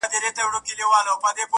شېخ سره وښورېدی زموږ ومخته کم راغی.